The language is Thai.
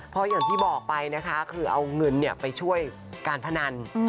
เพราะอย่างที่บอกไปนะคะคือเอาเงินไปช่วยการพนัน